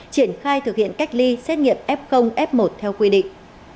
triển khai thực hiện cách ly xét nghiệm f f một theo quy định